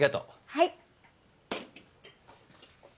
はい。